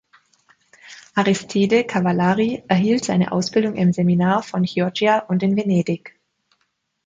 Aristide Cavallari erhielt seine Ausbildung im Seminar von Chioggia und in Venedig.